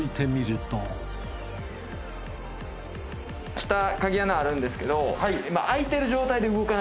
下鍵穴あるんですけど。